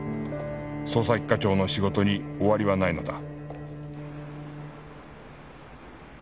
捜査一課長の仕事に終わりはないのだ